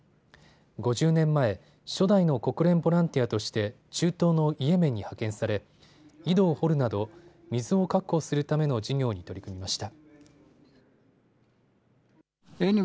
５０年前、初代の国連ボランティアとして中東のイエメンに派遣され井戸を掘るなど水を確保するための事業に取り組みました。